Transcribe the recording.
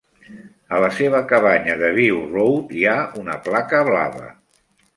A la seva cabanya de View Road hi ha una placa blava.